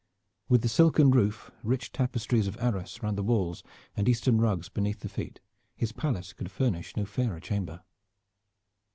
With the silken roof, rich tapestries of Arras round the walls and Eastern rugs beneath the feet, his palace could furnish no fairer chamber.